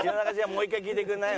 もう一回聞いてくれない？